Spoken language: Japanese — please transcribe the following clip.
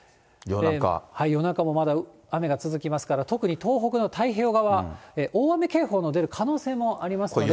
夜中もまだ雨が続きますから、特に東北の太平洋側、大雨警報の出る可能性もありますので。